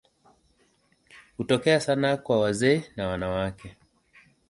Hutokea sana kwa wazee na wanawake.